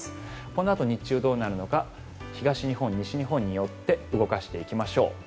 このあと日中どうなるのか東日本、西日本に寄って動かしていきましょう。